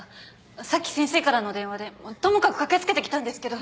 さっき先生からの電話でともかく駆けつけてきたんですけど。